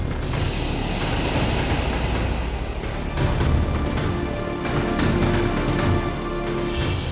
bantuan apa ren